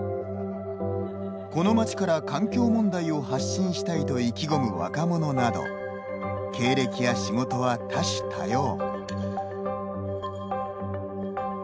この町から環境問題を発信したいと意気込む若者など経歴や仕事は多種多様。